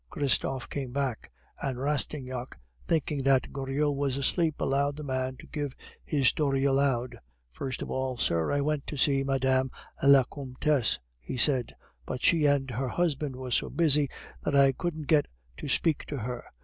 Christophe came back; and Rastignac, thinking that Goriot was asleep, allowed the man to give his story aloud. "First of all, sir, I went to Madame la Comtesse," he said; "but she and her husband were so busy that I couldn't get to speak to her.